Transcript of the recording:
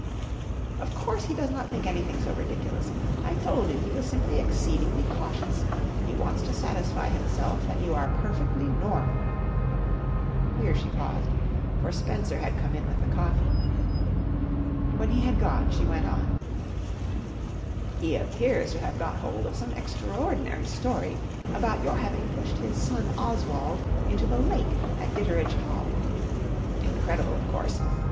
"'Of course, he does not think anything so ridiculous. I told you he was simply exceedingly cautious. He wants to satisfy himself that you are perfectly normal/' Here she paused, for Spenser had come in with the coffee, When he had gone, she went on r ' He appears to have got hold of some extraordinary story al>ont your having pushed his son Oswald into the lake at Dit ter edge Hall. Incredible, of course.